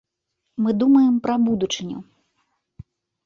Мы думаем пра будучыню.